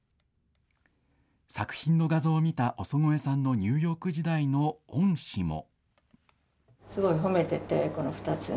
作品の画像を見た尾曽越さんのニューヨーク時代の恩師も。